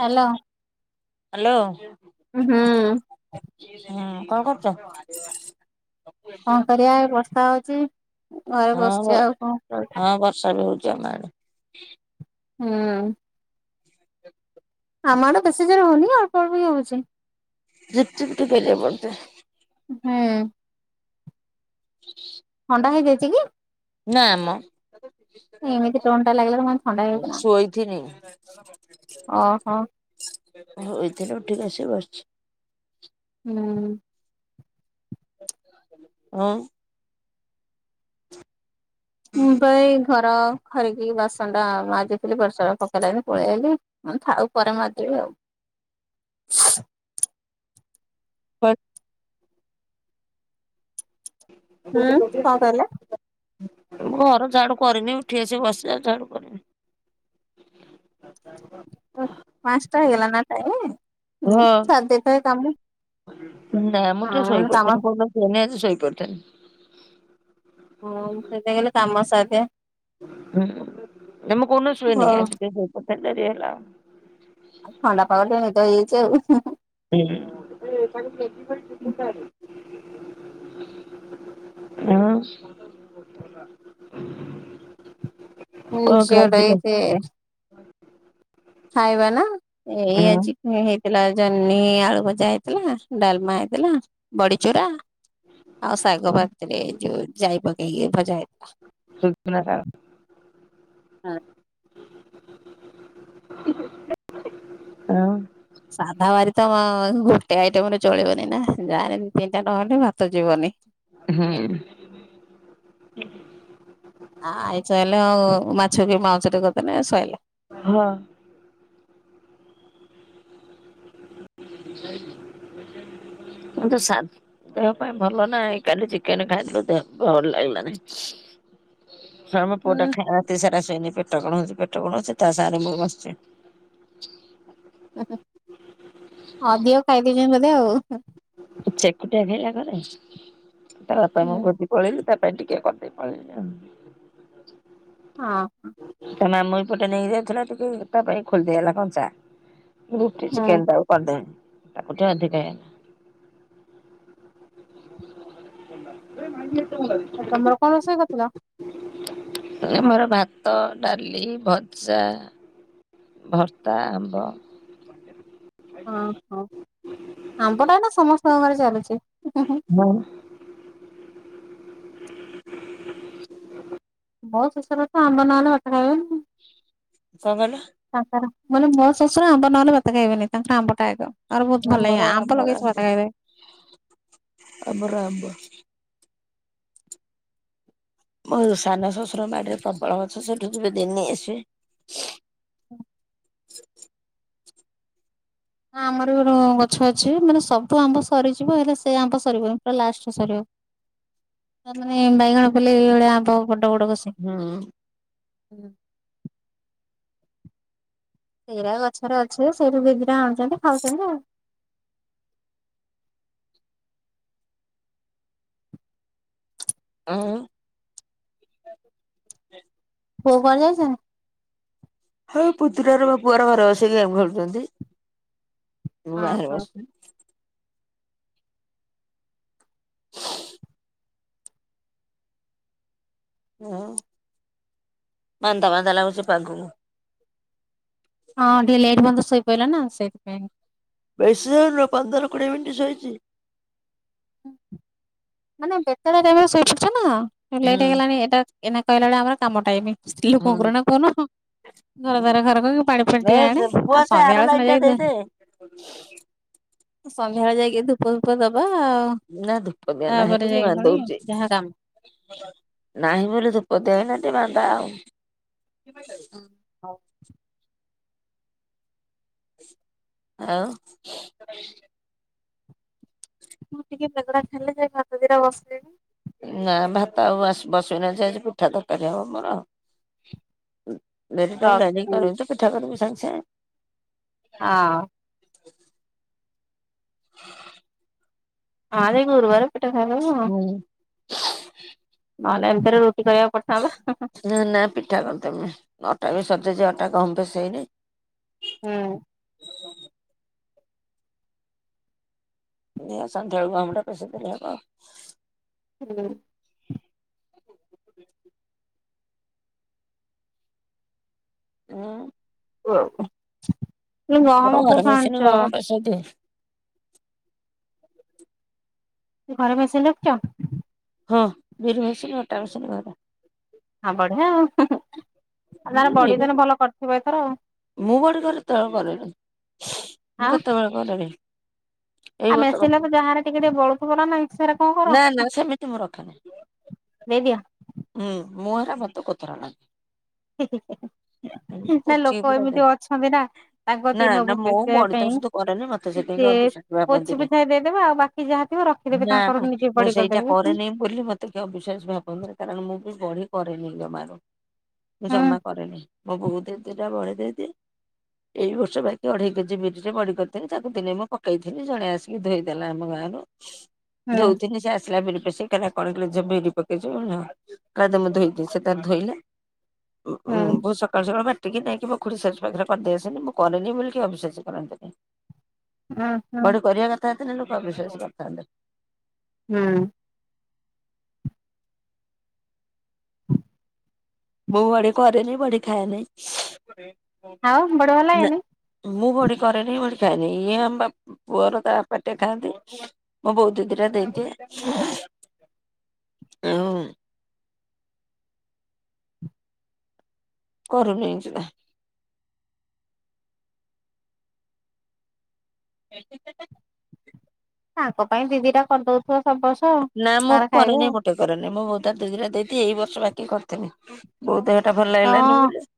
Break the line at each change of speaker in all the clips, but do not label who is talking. Hello.
Hello.
ହୁଁ।
ହୁଁ କଣ କରୁଛ?
କଣ କରିବା ଏ ବର୍ଷା ହଉଛି। ଘରେ
ହଁ ବ
ବସିଛି ଆଉ କଣ କରିବି
ହଁ ବର୍ଷା ବି ହଉଛି ଆମ ଆଡେ।
ହୁଁ। ଆମ ଆଡେ ବେଶୀ ଜୋରେ ହଉନି ଅଳ୍ପଅଳ୍ପ କି ହଉଛି।
ଝିପ୍ ଝିପ୍ [unintelligible]
ହୁଁ।
[inaudible]
ଥଣ୍ଡା ହେଇଯାଇଛି କି?
ନା ମ।
ଏମିତି ଟୋନ ଟା ଲାଗିଲା ମାନେ ଥଣ୍ଡା ହେଇଯାଇଛି ନା
ସୋଇଥିନି।
ଓହୋ
ଶୋଇଥିଲି ଉଠିକି ଆସିକି ବସିଛି।
ହୁଁ।
ଆଉ।
ମୁଁ ତ ଏଇ ଘର ଖରିକି କି ବାସନ ଟା ମାଜିଥିଲି ବର୍ଷା ପକେଇଲା ଯେମିତି ମୁଁ ପଳେଇଆଇଲି। ହଁ ଥାଉ ପରେ ମାଜିବି ଆଉ।
[inaudible] ୱେଟ [unintelligible]
ହୁଁ କଣ କହିଲେ
ମୁଁ ଘର ଝାଡୁ କରିନି ଉଠି ଆସି ବସିଲି ଆଉ ଝାଡୁ କରିନି।
ପାଞ୍ଚଟା ହେଇଗଲା ନା ଟାଇମି ମୁଁ
ହଁ
ସାରିଦେଇଥାଏ କାମ।
ନା ମୁଁ ଟିକେ
ହଁ କାମ
ଶୋଇପଡ଼ିଥେଲି [unintelligible] ଶୋଇପଡ଼ିଥେଲି।
ହଁ ସେଇ ପାଇଁ କହିଲ କାମ ସାରେ।
ହୁଁ ନା ମୁଁ କୋଉଦିନ ଶୁଏନି
ହଉ
ଆଜି ଟିକେ ଶୋଇପଡିଥିଲି ଡେରି ହେଲା।
ଥଣ୍ଡା ପାଗ ଟିକେ ନିଦ ହେଇଯାଇଛି ଆଉ।
ହୁଁ [unintelligible] ଆଉ [inaudible] ଖାଇଥିଲ?
[unintelligible] ଖାଇବା ନା ଏଇ
ହଁ
ଆଜି ହେ ହେଇଥିଲା ଜହ୍ନି ଆଳୁ ଭଜା ହେଇଥିଲା ଡାଲମା ହେଇଥିଲା। ବଡିଚୁରା ଆଉ ଶାଗ ଭାଜିଥିଲି ଯୋଉ ଯାଇ ପକେଇକି ଭଜା ହେଇଥିଲା।
ସୁଜୁନା ଶାଗ। ଆଉ।
ସାଧା ବାରି ତ ଗୋଟେ ଆଇଟମ ରେ ଚଳିବନି ନା ଜାହାହେନେ ଦି ତିନିଟା ନହଲେ ଭାତ ଯିବନି।
ହୁଁ।
ଆ ଆଇଁଶ ହେଲେ ଆଉ ମାଛ କି ମାଉଁସ ଟେ କରିଦେଲେ ସଇଲା।
ହଁ। ମୁ ତ ସାଧ୍ ଦେହ ପାଇଁ ଭଲ ନାହିଁ କାଲି ଚିକେନ ଖାଇଥିଲୁ ଦେହ ଭଲ ଲାଗିଲାନି। ହ ମ ପୁଅଟା
ହୁଁ
ଖାଇ ରାତି ସାରା ଶୁଇନି ପେଟ କଣ ହଉଛି ପେଟ କଣ ହଉଛି ତା ସାଙ୍ଗେ ରେ ମୁଁ ବସିଛି।
ଉଁ ହୁଁ ଅଧିକ ଖୁଆଇଦେଇଛନ୍ତି ବୋଧେ ଆଉ।
ଚକୁଟିଆ ଖାଇଲା ଘରେ ତା ବାପା
ହଁ
ମୁଁ ପଳେଇଲୁ ତା ପାଇଁ ଟିକେ କରିଦେଇ ପଳେଇଲୁ ଆଉ।
ହଁ।
ତା ମାମୁଁ ଏଇପଟେ ନେଇ କି ଯାଉଥିଲା ଟିକେ ତା ପାଇଁ ଖୋଲିଦେଇଗଲା କଞ୍ଚା। ରୁଟି
ହଁ
ଚିକେନ ଟାକୁ କରିଦେନି ତାକୁ ଟିକେ ଅଧିକା ହେଇଗଲା। [unintelligible]
ଆଉ ତମର କଣ ରୋଷେଇ କରିଥିଲ?
ଏଇ ମୋର ଭାତ, ଡାଲି, ଭଜା। ଭର୍ତା, ଆମ୍ବ।
ଓହୋ ଆମ୍ବଟା ଏଇନା ସମସ୍ତଙ୍କ ଆଡ଼େ ଚାଲୁଛି।
ମଉ
ମଉସା ତଛ ଆମ୍ବ ନହେଲେ ଭାତ ଖାଇବେନି।
କଣ କହିଲ?
ତାଙ୍କର ମାନେ ମୋ ଶ୍ୱଶୁର ଆମ୍ବ ନହେଲେ ଭାତ ଖାଇବେନି ତାଙ୍କର ଆମ୍ବଟା ଆଗ। ତାଙ୍କର ବହୁତ ଭଲ
ଆମର
ଲାଗେ ଆମ୍ବ
ଆମର
ଲଗେଇ ସେ ଭାତ ଖାଇବେ।
ଆମର ଆମ୍ବ। ମୋ ସାନ ଶଶୁର ବାଡିରେ ପ୍ରବଳ ଗଛ ସେଠୁ ଯିବେ ଦିନ୍ ନେଇ ଆସିବେ।
ହ ଆମର ଗୋଟେ ଗଛ ଅଛି ମାନେ ସବୁ ଆମ୍ବ ସରିଯିବ ହେଲେ ସେ ଆମ୍ବ ସରିବନି ପୁରା ଲାଷ୍ଟରେ ସରିବ। ତାମାନେ ବାଇଗଣ ପଲେଇ ଭଳିଆ ଆମ୍ବ ବଡ ବଡ କସିକି।
ହୁଁ।
ସେଇରା ଗଛରେ ଅଛି ସେଇଠୁ ଦି ଦି ଟା ଆଣୁଛନ୍ତି ଖାଉଛନ୍ତି ଆଉ।
ଉଁ।
ପୁଅ କୁଆଡ଼େ ଯାଇଛନ୍ତି?
ହଁ ପୁତୁରା ର ମୋ ପୁଅର ଘରେ ବସିିକି ଗେମ୍ ଖେଳୁଛନ୍ତି ମୁଁ ବାହାରେ
ହଁ
ବସିଛି। ହୁଁ ମାନ୍ଦା ମାନ୍ଦା ଲାଗୁଛି ପାଗକୁ।
ହଁ ଟିକେ ଲେଟ୍ ପର୍ଯ୍ୟନ୍ତ ଶୋଇ ପଡିଲ ନା ସେଇଥିପାଇଁ।
ବେଶୀ ସମୟ ନୁହେଁ ପନ୍ଦର କୋଡ଼ିଏ ମିନିଟ୍ ଶୋଇଚି।
ମାନେ ବେତାଳିଆ ଟାଇମ୍ ରେ ଶୋଇ ପଡୁଛ ନା
ହୁଁ
ଲେଟ୍ ହେଇଗଲାଣି ଏଟା ଏ କହିଲା ଭଳିଆ ଆମର କମ ଟାଇମ୍। ସ୍ତ୍ରୀ ଲୋକଙ୍କ
ହୁଁ
ର ନା କହୁନ? ଘର ଦୁଆର ଖରକ କି ପାଣି
ଏ
ଫାଣିଟିଏ ଆଣେ
ପୁଅ
ଆଉ
ସେ
ସ୍ୱାମୀ
ଆର
ଆଗରେ
ଲାଇନ୍
ସିନା
ଟା
ଯାଇଥ
ଦେଇଦେ।
ସନ୍ଧ୍ୟାବେଳେ ଯାଇକି ଧୂପ ଫୁପ ଦବା ଆଉ।
ନା ଧୂପଦିଆ ନାହିଁ
ତାପରେ
ବୋଲି
ଯାଇକି ପୁଣି
ମାନ୍ଦଉଚି।
ଯାହା କାମ
ନାହିଁ ବୋଲି ଧୂପ ଦିଆ ଏଇନା ଟିକେ ମାନ୍ଦା ଆଉ।
ହୁଁ ହଉ।
[inaudible]
ମୁଁ ଟିକେ ବୋଗା ଖାଇଲେ ଯା ହାତ ଦା ବସିଲେଣି।
ନା ଭାତ ଆଉ ବସୁନା ଯେ ଆଜି ପିଠା ତରକାରୀ ହବ ମୋର ଆଉ। ମେର
ରଖ
ଟଡାନ
ହଁ
କରିଛ ପିଠା କର ବି ସଙ୍ଗଛେ
ହଁ
[inaudible]
ହଁ ସେଇ ଗୁରୁବାର ପିଠା ଖାଇଦବୁ
ହୁଁ।
ନହେଲେ ଏମିତିରେ ରୁଟି କରିଆକୁ ପ ହଁ ବା ହଁ-ହଁ।
ନା ନା ପିଠା କରିଦେମି ଅଟା ବି ସଯାଇଚି ଅଟା କମ୍ ପିସେଇନି।
ହୁଁ।
[unintelligible] ସନ୍ଧ୍ୟାଆଳକୁୁ ଆମଟା ପେଶେଇ ଦେଲେ ହବ।
ହୁଁ।
ଉଁ।
[unintelligible] ଗହମ କୋଉଠୁ ଆଣୁଚ?
ସେ ତି
କି ଘରେ ମେସିନ୍ ରଖିଚ?
ହଁ ବିରି ମେସିନି ଅଟା ମେସିନି ଘରେ।
ଆଁ ବଢିଆ ଆଉ। ତାର
ହୁଁ
ବଡି
ବିରି
ତାହେଲେ ଭଲ କରିଥିବ ଏଥର
ମୁଁ ବଢ଼ି କରେ [unintelligible] କରେନି। ମୁଁ କେତେବେଳେ କରିବି।
ଆ ମେସିନ୍ [unintelligible] ଯା ହେରେ ଟିକେ ଟିକେ ବଳୁଥିବା ନା ନାଇଁ ସେରା କଣ କର?
ନା ନା ସେମିତି ମୁଁ ରଖେନି।
ନେଇଦିଅ।
ହୁଁ ମୁଁ ହେରା ବତ କୋତରା ନା।
[unintelligible] ନା
ପୋଚିକି
ଲୋକ
ପୁରା
ଏମିତି
ଦେବି।
ଅଛନ୍ତି ନା ତାଙ୍କ
ନା
ତି
ନା
ନବୁ
ମୁଁ
ପେସେଆ
ବଡି ତ
ପାଇଁ
ସୁଧୁ କରେନି ମତେ ସେଥିପାଇଁ
ସେ
ଅବିଶ୍ୱାସ
ପୋଛି
ଭାବନ୍ତିନି
ପୋଛା ଦେଇଦେବେ ଆଉ ବାକି ଯାହା ଥିବ ରଖିଦେବେ
ନା ନା।
ତାଙ୍କର ନିଜେ
ମୁଁ
ବଡି
ସେଇଟା
କରିଦେବେ ହୁଁ।
କରେନି ବୋଲି ମୋତେ କି ଅବିଶ୍ୱାସ ଭାବନ୍ତିନି କାରଣ ମୁଁ ବି ବଢି କରେନି ଜମାରୁ। ମୁଁ ଜମା
ହୁଁ
କରେନି ମୋ ବୋଉ ଦି ଦିଟା ବଢି ଦେଇଦିଏ। ଏଇ ବର୍ଷ ବାକି ଅଢେଇ କେଜି ବିରିରେ ବଡି କରିଥିଲି ତାକୁ ଦିନେ ମୁଁ ପକେଇଥିଲି ଜଣେ ଆସିକି ଧୋଇଦେଲା ଆମ ଗାଁରୁ।
ହୁଁ
ଧୋଉଥିନି ସେ ଆସ୍ ସିଲା ବିରି ପଶେଇ କଇଲା କଣ କିଲୋ ବିରି ପକେଇଚୁ କଇଲା ଦେ ମୁଁ ଧୋଇଦି ସେ ତାର ଧୋଇଲା। ଉଁ-ଉଁ [unintelligible] ସକାଳୁ ସକାଳୁ ବା ଟିକି ନେଇକି ମୋ ଖୁଡ଼ି ଶାଶୁ ପାଖରେ ପାରି ଦେଇ ଆସିଲି। ମୁଁ କରେନି ବୋଲି ଅବିଶ୍ଵାସୀ କରନ୍ତିନି।
ହୁଁ ହୁଁ
ବଢି କରିବା କଥା ହେଇଥିଲେ ଲୋକ ଅବିଶ୍ଵାସୀ କରିଥାନ୍ତେ।
ହୁଁ।
ମୁଁ ବଢ଼ି କରେନି ବଢ଼ି ଖାଏନି
ଆଉ ବଢିଆ
ନା।
ଲାଗେନି
ମୁଁ ବଢି କରେନି ବଢି ଖାଏନି। ଇଏ ଆମ ବା ପୁଅର ତା ବାପା ଟିଏ ଖାଆନ୍ତି। ମୋ ବୋଉ ଦି ଦିଟା ଦେଇଦିଏ ଆଉଁ କରୁନି ଯିବା। [unintelligible]
ତାଙ୍କ ପାଇଁ ଦିଦି ଟା କରିଦଉଥିବ ସବୁ ବର୍ଷ ତାଙ୍କ୍ ଖାଇବେ
କରେନି
ଆଉ।
ମୋଟେ ରେନି ମୁଁ ବୋଉ ତା ଦି ଦିଟା ଦେଇଦିଏ ଏଇ ବର୍ଷ ବାକି କରିଥିଲି ବୋଉ ଦେହଟା ଭଲ
ଆଉ
ଲାଗିଲାନି
ହଁ
ବୋଲି।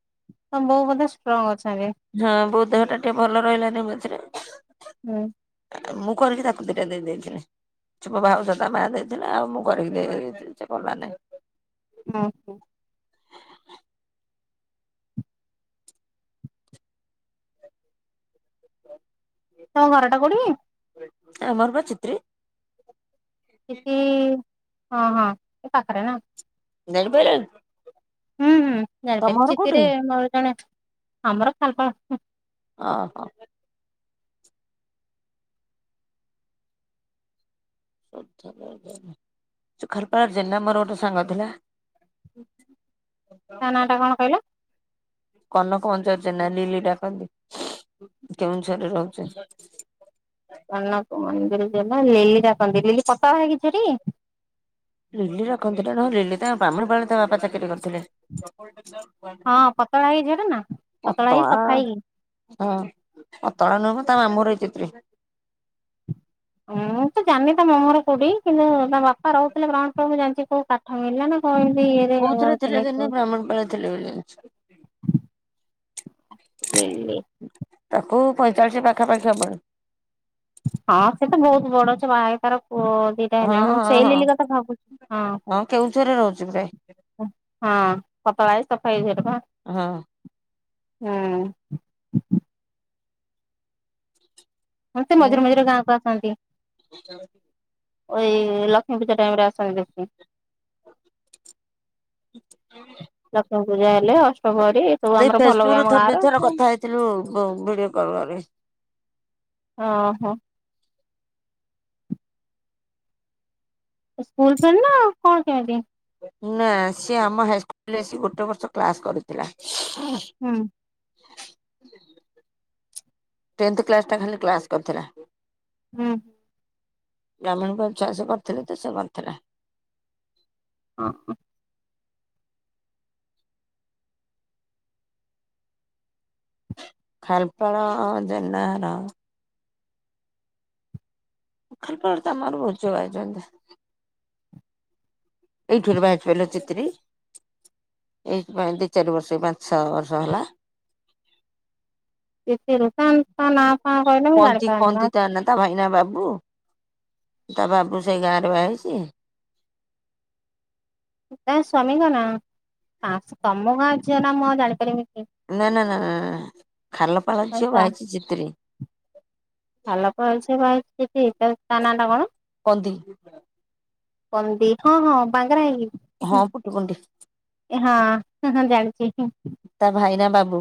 ତମ ବୋଉ ବଧେ ଷ୍ଟ୍ରଙ୍ଗ୍ ଅଛନ୍ତି?
ହଁ ବୋଉ ଦେହ ଟା ଟିକେ ଭଲ ରହିଲାନି ମଝିରେ।
ହୁଁ।
ମୁଁ କରିକି ତାକୁ ଦିଇଟା ଦେଇ ଦେଇଥିଲି। ଅଛି ମୋ ଭାଉଜ ତା ମା ଦେଇଥିଲା ଆଉ ମୁଁ କରିକି ଦେଇଦେନି ସେ କଲା ନାଇଁ।
ଅଁ ହଁ। ତମ ଘରଟା କୋଉଠି କି?
ଆମର ପା ଚିତ୍ରି
ଚିଠି, ହଁ ହଁ ଏ ପାଖରେ ନା।
ଜାଣିପାରିଲନି?
ହୁଁ ହୁଁ
ତମ
ଜାଣିପାରି,
ଘର କୋଉଠି?
ଚିତିରେ ମୋର ଜଣେ ଆମର ଖାଲପାଳ
ଅ ହଁ। [unintelligible] ଜେନା ମୋର ଗୋଟେ ସାଙ୍ଗ ଥିଲା।
ତା ନାଁ ଟା କଣ କହିଲେ?
କନକ ମଞ୍ଚାର ଜେନା ନିଲି ଡାକନ୍ତି, କେଉଁଝରରେ ରହୁଛି।
କନକ ମନ୍ଦିର ଜେନା ଲିଲି ଡାକନ୍ତି, ଲିଲି ପତଳା ହେଇକି ଝିଅ ଟି?
ଲିଲି [unintelligible] ଲିଲି ତା ବାମୁଣି ପାଳିରେ ତା ବାପା ଚାକିରି କରିଥିଲେ।
ହଁ ପତଳା ହେଇକି ଝିଅଟା ନା ପତଳା ହେଇ
ଉତଳା
ସଫା ହେଇକି
ହଁ ପତଳା ନୁହଁକି ତା ମାମଁ ଘର ଏଇ ଚିତ୍ରି
ମୁଁ ତ ଜାଣି ତମ ଘର କୋଉଠି କିନ୍ତୁ ତା ବାପା ରହୁଥିଲେ [unintelligible] ଜାଣିଛି କୋଉ କାଠ ମିଳିଲା ନା କହିଲ
କୋଉଥିରେ ଥିଲେ ଯେନ୍ତୀ ବ୍ରାହ୍ମଣୀ ପାଳରେ ଥିଲେ ବୋଲି ଜାଣିଛି।
[unintelligible]
ତାକୁ ପଇଁଚାଳିଶ ପାଖାପାଖି ହବଣି।
ହଁ ସେ ତ ବହୁତ ବଡ ଅଛ ବାହା ହେଇ ତାର ପୁଅ ଦି ତାହେଲେ
ହଁ
ମୁଁ
ହଁ
ସେଇ
ହଁ
ଲିଲି କଥା ଭାବୁଛି,
ହଁ କେଉଁଝରରେ ରହୁଛି ପ୍ରାୟ
ହଁ। ହଁ ପତଳା ହେଇ ସଫା ହେଇ ଝିଅଟେ ପା।
ହଁ।
ହୁଁ। ହଁ ସେ ମଝିରେ ମଝିରେ ଗାଁକୁ ଆସନ୍ତି। ଓ ଏଇ ଲକ୍ଷ୍ମୀ ପୂଜା ଟାଇମ ରେ ଆସନ୍ତି ଦେଖି। ଲକ୍ଷ୍ମୀ ପୂଜା ହେଲେ ଅଷ୍ଟମରୀ ଏ ସବୁ ଆମର ଭଲ ହୁଏ ଆମ ଗାଁ ରେ।
ଥିଲୁ ବୋଉ ଭିଡିଓ କଲ କରେ।
ହଁ, ହଁ। ସ୍କୁଲ ଫେର ନା କଣ କମତି?
ନା ସିଏ ଆମ ହାଇସ୍କୁଲରେ ଆସି ଗୋଟେ ବର୍ଷ କ୍ଲାସ କରିଥିଲା।
ହୁଁ।
ଟେନ୍ଥ କ୍ଲାସ ଟା ଖାଲି କ୍ଲାସ କରିଥିଲା।
ହୁଁ।
ବ୍ରାହ୍ମଣଙ୍କ ଛୁଆ ସେ କରିଥିଲେ ତ ସେ କରିଥିଲା।
ହଁ ହଁ।
ଖାଲପାଳ ଜେନା ଘର [unintelligible] ଏଇଠୁରୁ ବାହା ହାଇଥିଲାଏ ଚିତ୍ରି ଏଇଠି ପାଇଁ ଦିଚାରୀ ବର୍ଷ ଏଇ ପାଞ୍ଚ ଛଅ ବର୍ଷ ହେଲା।
ଟିକେ ରହ ତାନ ତାନା ଫା କହିଲେ ମୁଁ
କନ୍ତି
ଜାଣିପାରନି।
କନ୍ତି ତା ନା ତା ଭାଇନା ବାବୁ, ତା ବାବୁ ସେଇ ଗାଁରେ ବାହା ହଇଛି।
ତା ସ୍ୱାମୀଙ୍କ ନାଁ, ନା ସେ ତମ ଗାଁ ଝିଅ ନା ମୁଁ ଆଉ ଜାଣିପାରିବି କି?
ନା ନା ନା ନା ଖାଲ ପାଳ ଝିଅ ବାହା ହଇଛି ଚିତିରି।
ଖଲାପଲ ଝିଅ ବାହା ହଇଛି ଚିତିରି, ତା ନା ଟା କଣ?
କନ୍ତି
କହନ୍ତି, ହଁ ହଁ ବାଙ୍ଗରା ହେଇି କି।
ହଁ ପୁଟୁ କୁଣ୍ଡି।
ଏ ହଁଁ ହଁ ହଁ ଜାଣିଚି।
ତା ଭାଇ ନା ବାବୁ।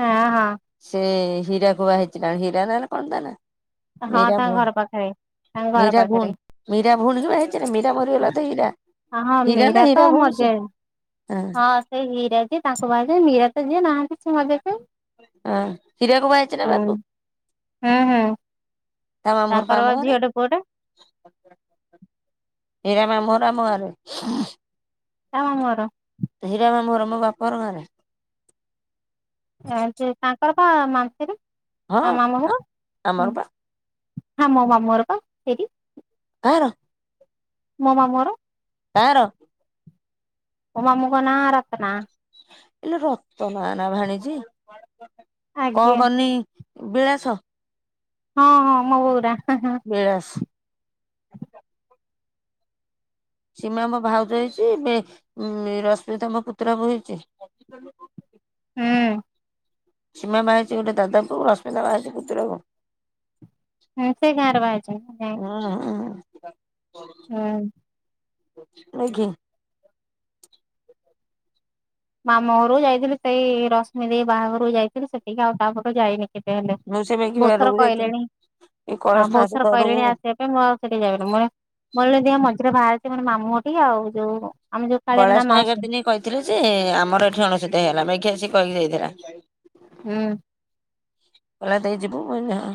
ହଁ ହଁ।
ସେ ହୀରାକୁୁ ବାହା ହେଇଥିଲା ହୀରା ନା କଣ ତା ନାଁ?
ହଁ ତା ଘର ପାଖେରେ।
ମୀରା ଭୋଉଣି ମୀରା ଭୋଉଣିକି ବାହା ହେଇଚି ନା ମୀରା ମରିଗଲା ତ ହୀରା।
ହଁ ହଁ
ହୀରା ନା
ମୀରା ତ
ହୀରା ଭୋଉଣୀ
ମଜା
ସିଏ ହଁ।
ସେଇ ହୀରା କିଏ ତାଙ୍କୁ ବାହା ହେଇଚନ୍ତି ମୀରା ଯିଏ
ହଁ। ହୀରାକୁ ବାହା ହେଇଛି ନା ବାବୁ
[unintelligible] ହଁ ହଁ ହଁ।
ତା ମାମୁଁ ଘର ପା ଆମ ଗାଁରେ? ହିରା ମାମୁଁ ଘର ଆମଗାଁରେ।
କା ମାମୁଁ ଘର?
ହୀରା ମାମୁଁ ଘର ମୋ ବାପଘର ଗାଁରେ।
ତାଙ୍କର ପା ମାନତିରି
ହଁ
ତା ମାମୁଘର।
ଆମର ପା
ହଁ ମୋ ମାମୁଁ ଘର ପା ସେଇଠି।
କାହାର?
ମୋ ମାମୁଁ ଘର।
କାହାର?
ମୋ ମାମୁଁଙ୍କ ନା ରତ୍ନା।
ଆଲୋ ରତନା ନା ଭାଣିଜି
ଆଜ୍ଞା
କଣ କର୍ନି ବିଳାସ।
ହଁ ହଁ ମୋ ବୋଉନାଁ।
ବିଳାସ୍। ସୀମା ମୋ ଭାଉଜ ହେଇଚି ବେ ଉମ୍ ରଶ୍ମିତା ମୋ ପୁତୁରା ବୋହୁ ହେଇଚି।
ହୁଁ।
ସୀମା ବାହା ହେଇଚି ଗୋଟେ ଦାଦା କୁ ରଶ୍ମିତା ବାହା ହେଇଚି ପୁତୁରାକୁ।
ହୁଁ ସେଇ ଗାଁରେ ବାହା ହେଇଚି ଗାଁ।
[unintelligible]
ହୁଁ।
ନୁଏଁ କିି
ମାମୁଁ ଘରକୁ ଯାଇଥିଲି ସେଇ ରଶ୍ମି ଦେଇ ବାହାଘରକୁ ଯାଇଥିଲି ସେଠିକି ଆଉ ତାପଟୁ ଯାଇନି। ସେତେ ହେଲେ
ମୁଁ ସେ ମେଘି
ବୋହୁତ ଥର
ଘରକୁ ଯାଇଥିଲି
କହିଲେଣି
ଏଇ
ଆଁ
କୈଳାସ
ବୋହୁ ତ
ନାୟକ
ଥର
ଘରକୁ
କହିଲେଣି ଆସିବା ମୁଁ ଆଉ ସେଠି ଯାଉନି ମୁଁ ମୋର ଯଦି ହବ ମଝିରେ ବାହାରିଚି ମୋର ମାମୁଁ ଘରଠିକି ଆଉ ଯୋଉ ଆମେ ଯୋଉ କାଳିଆର ନା
କୈଳାସ ନାୟକର
ମାଉସୀ
ଦିନେ କହିଥିଲେ ଯେ ଆମର ଏଠି ଅଣସୂତିଆ ହେଇଗଲା ବାକି ଆସି କହିକି ଯାଇଥିଲା।
ହୁଁ।
କଇଲା ଦେଇ ଯିବୁ ମୁଁ କହିଲି ହଁ।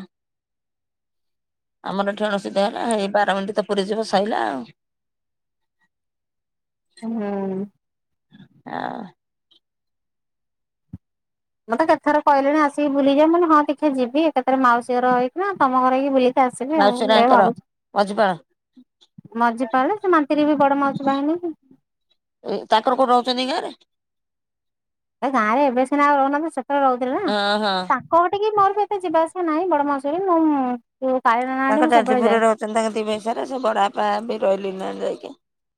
ଆମର ଏଠେ ଅଣସୁଦିଆ ହେଲା ହେଇ ବାରମଣ୍ଡି ତ ପୁରୀ ଯିବ ସଇଲା ଆଉ। [inaudible]
ହୁଁ।
ଆଁ।
ମତେ କେତେଥର କହିଲେଣି ଆସିକି ବୁଲିକି ଯା ମୁଁ କହିଲି ହଁ ଦେଖିଆ ଯିବି ଏକାଥରେ ମାଉସୀ ଘର ହେଇକିନା ତମ ଘର ହେଇକି ବୁଲି ଆସିବି ଆଉ
ମାଉସୀ
ଏଇଆ
ହରିଆଙ୍କର
ଭାବୁଚି।
ମଝିପାଳ
ମଝିପାଳେ ସେ ମାନ୍ତିରି ବି ବଡ ମାଉସି ବାହା ହେଇନିକି।
ଏ ତାଙ୍କର କୋଉ ରୋଉଚନ୍ତି କି ଗାଁରେ।
ଏ ଗାଁରେ ଏବେ ସିନା ରହୁ ନାହାନ୍ତି ସେତେବେଳେ ରହୁଥିଲେ ନା
ହଁ ହଁ।
ତା କଉ ଟିକି ମୋର ବି ଏତେ ଯିବା ଆସିବା ନାହିଁ ବଡମାଉସୀ ଘରେ ମୁଁ ହୁଁ କାଳେ। [unintelligible]
ତାଙ୍କ ଯାଜପୁରରେ ରହୁଛନ୍ତି ତାଙ୍କ ଦି ଭାଇ ସାରା ସେ ବଡ଼ା ବାପା ବି ରହିଲେ ନାଁ ଯାଇକି।